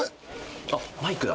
あ、マイクだ。